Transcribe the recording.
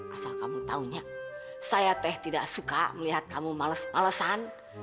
asal kamu taunya saya teh tidak suka melihat kamu males malesan